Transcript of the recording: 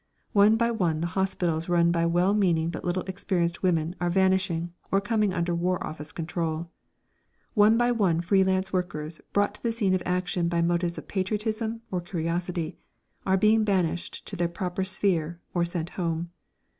One by one the hospitals run by well meaning but little experienced women are vanishing or coming under War Office control. One by one free lance workers brought to the scene of action by motives of patriotism or curiosity are being banished to their proper sphere or sent home.